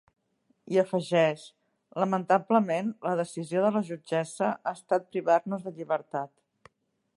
I afegeix: Lamentablement, la decisió de la jutgessa ha estat privar-nos de llibertat.